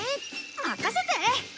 任せて！